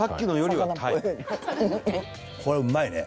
これうまいね。